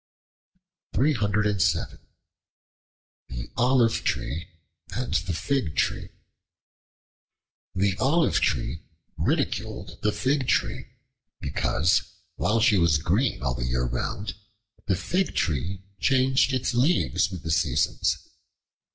The Olive Tree and the Fig Tree THE OLIVE TREE ridiculed the Fig Tree because, while she was green all the year round, the Fig Tree changed its leaves with the seasons.